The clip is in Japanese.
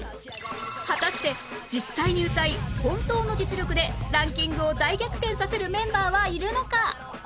果たして実際に歌い本当の実力でランキングを大逆転させるメンバーはいるのか？